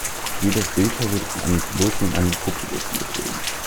Jeder Segler wurde von einem Piloten und einem Copiloten geflogen.